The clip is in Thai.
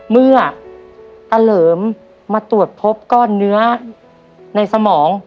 เมื่อตะเหลิมมาตรวจพบก้อนเนื้อในสมอง